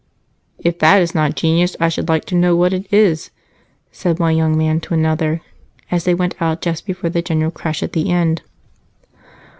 "If that is not genius, I should like to know what it is?" said one young man to another as they went out just before the general crush at the end.